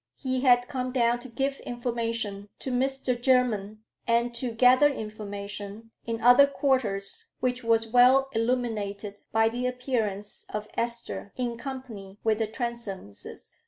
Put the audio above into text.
He had come down to give information to Mr. Jermyn, and to gather information in other quarters, which was well illuminated by the appearance of Esther in company with the Transomes.